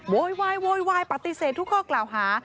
โวยวายโวยวายปฏิเสธทุกข้อกล่าวหา